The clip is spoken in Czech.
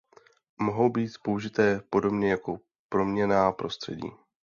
Mohou být použité podobně jako proměnná prostředí.